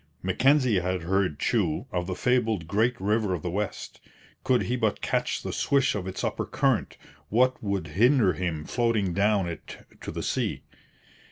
Mackenzie had heard, too, of the fabled great River of the West. Could he but catch the swish of its upper current, what would hinder him floating down it to the sea?